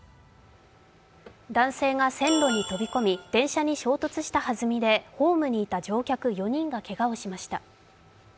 男性が線路に飛び込み、電車に衝突したはずみでホームにいた乗客４人がけがをしました。